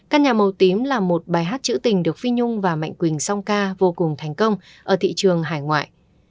các nhà màu tím là một bài hát trữ tình được phi nhung và mạnh quỳnh song ca vô cùng thành công ở thị trường hải ngoại